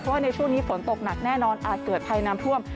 ว่าในช่วงนี้ฝนตกหนักแน่นอนอาจเกิดภัยน้ำท่วม